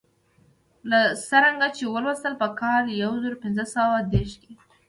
لکه څرنګه چې ولوستل په کال یو زر پنځه سوه دوه دېرش کې.